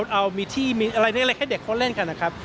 เอามีที่อะไรแค่เด็กโครตเล่นกันนะครับ